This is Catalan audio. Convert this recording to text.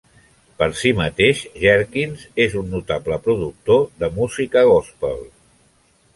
Per si mateix, Jerkins és un notable productor de música gospel.